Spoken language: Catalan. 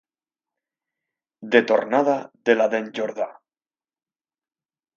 De tornada de la d'en Jordà.